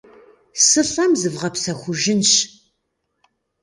Сылӏэм зывгъэпсэхужынщ.